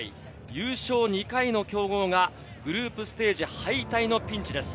優勝２回の強豪がグループステージ敗退のピンチです。